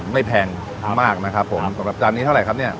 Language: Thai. ไม่แพงครับมากนะครับผมครับสำหรับจานนี้เท่าไรครับเนี้ย